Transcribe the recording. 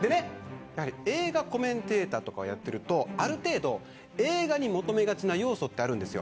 映画コメンテーターをやっているとある程度、映画に求めがちな要素があるんです。